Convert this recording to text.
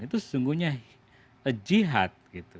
itu sesungguhnya jihad